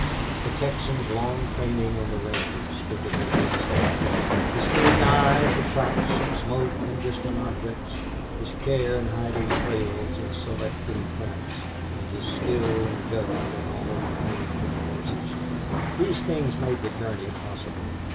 The Texan's long training on the ranges stood them in good stead here. His keen eye for tracks and smoke and distant objects, his care in hiding trails and selecting camps, and his skill and judgment in all pertaining to the horses these things made the journey possible.